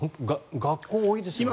学校、多いですよね。